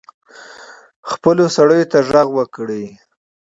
خپلو سړیو ته ږغ وکړي.